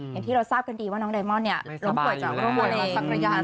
อย่างที่เราทราบกันดีว่าน้องไดมอนล้มป่วยจากโรคมะเร็งสักระยะ